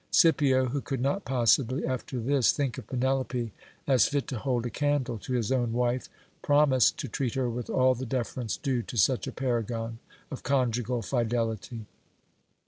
Scipio, who could not possibly, after this, think of Penelope as fit to hold a candle to his own wife, promised to treat her with all the deference due to such a paragon of conjugal fidelity.